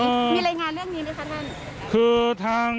มีรายงานเรื่องนี้ไหมคะท่าน